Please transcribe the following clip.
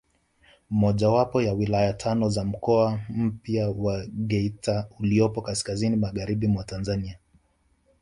Mojawapo ya wilaya tano za mkoa mpya wa Geita uliopo kaskazini magharibi mwa Tanzania